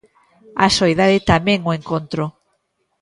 A soidade e tamén o encontro.